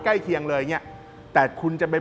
ใกล้เคียงเลยเนี่ยแต่คุณจะไป